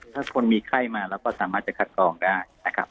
ถ้าคนมีไข้มาเราก็สามารถจะคัดกรองได้นะครับ